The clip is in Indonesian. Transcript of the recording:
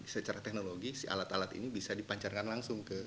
secara teknologi si alat alat ini bisa dipancarkan langsung ke